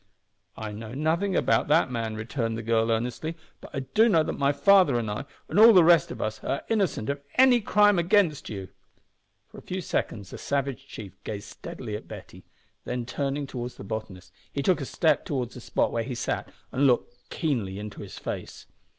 "I know nothing about that man," returned the girl, earnestly; "but I do know that my father and I, and all the rest of us, are innocent of any crime against you." For a few seconds the savage chief gazed steadily at Betty, then turning towards the botanist he took a step towards the spot where he sat and looked keenly into his face.